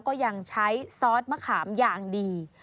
ก็ยังใช้ซอสมะขามอย่างดี